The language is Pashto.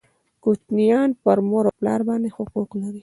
کوچنیان پر مور او پلار باندي حقوق لري